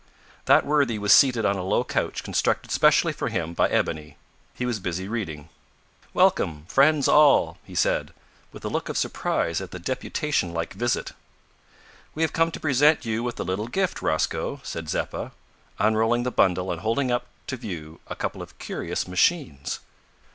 That worthy was seated on a low couch constructed specially for him by Ebony. He was busy reading. "Welcome, friends all," he said, with a look of surprise at the deputation like visit. "We have come to present you with a little gift, Rosco," said Zeppa, unrolling the bundle and holding up to view a couple of curious machines.